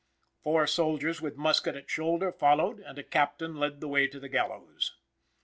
Four soldiers with musket at shoulder, followed, and a captain led the way to the gallows.